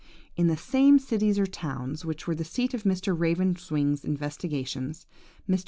In the same cities or towns which were the seat of Mr. Raven wing's investigations. Mr.